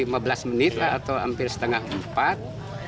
lima belas menit atau hampir setengah empat